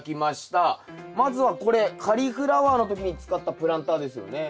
まずはこれカリフラワーの時に使ったプランターですよね。